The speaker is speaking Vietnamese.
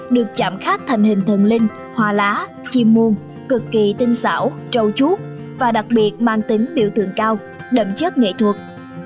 được chạm khác thành hình thần linh hoa lá chim muôn cực kỳ tinh xảo trâu chuốt và đặc biệt mang tính biểu tượng cao đậm chất nghệ thuật